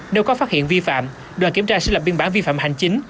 nếu có phát hiện vi phạm đoàn kiểm tra sẽ lập biên bản vi phạm hành chính